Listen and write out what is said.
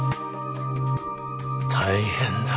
大変だ。